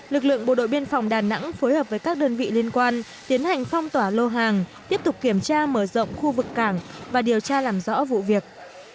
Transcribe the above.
lực lượng bộ đội biên phòng đà nẵng phối hợp với các đơn vị liên quan tiến hành phong tỏa lô hàng tiếp tục kiểm tra mở rộng khu vực cảng và điều tra làm rõ vụ việc